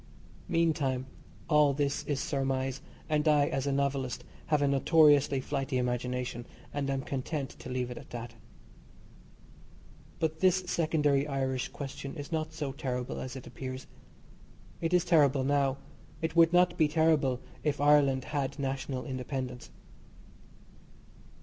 Meantime, all this is surmise, and I, as a novelist, have a notoriously flighty imagination, and am content to leave it at that. But this secondary Irish question is not so terrible as it appears. It is terrible now, it would not be terrible if Ireland had national independence.